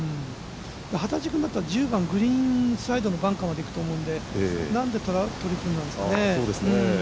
幡地君だったら１０番、グリーンサイドのバンカーまで行くと思うんでなんで取り組んだんですかね？